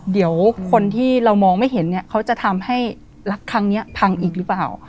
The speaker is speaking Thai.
เดี๋ยวคนที่เรามองไม่เห็นเนี่ยเขาจะทำให้รักครั้งนี้พังอีกหรือเปล่า